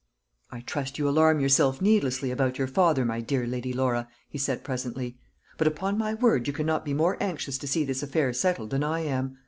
"I trust you alarm yourself needlessly about your father, my dear Lady Laura," he said presently; "but, upon my word, you cannot be more anxious to see this affair settled than I am.